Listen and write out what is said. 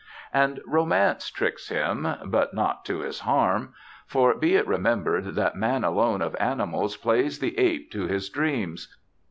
And romance tricks him, but not to his harm. For, be it remembered that man alone of animals plays the ape to his dreams.